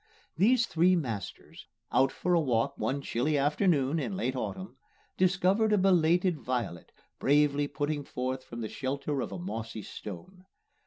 These three masters, out for a walk one chilly afternoon in late autumn, discovered a belated violet bravely putting forth from the shelter of a mossy stone.